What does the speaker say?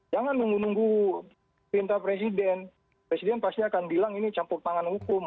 jangan nunggu nunggu perintah presiden presiden pasti akan bilang ini campur tangan hukum